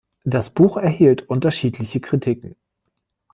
Das Buch erhielt unterschiedliche Kritiken.